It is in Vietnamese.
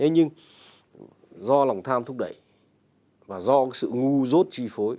nhưng do lòng tham thúc đẩy và do sự ngu rốt trì phối